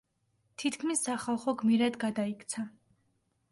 თითქმის სახალხო გმირად გადაიქცა.